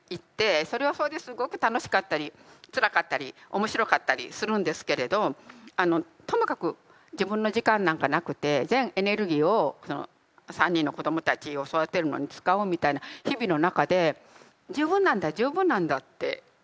それはそれですごく楽しかったりつらかったり面白かったりするんですけれどあのともかく自分の時間なんかなくて全エネルギーをその３人の子どもたちを育てるのに使おうみたいな日々の中で十分なんだ十分なんだってこう。